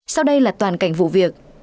sau đây là toàn cảnh vụ việc